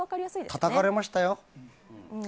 たたかれましたよ。